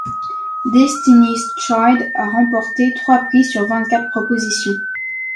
Destiny's Child a remporté trois prix sur vingt-quatre propositions.